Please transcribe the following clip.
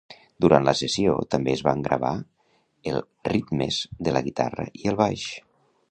Durant la sessió també es van gravar el ritmes de la guitarra i el baix.